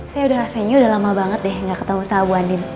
saya rasanya udah lama banget deh gak ketemu sama bu andin